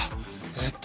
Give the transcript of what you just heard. えっと。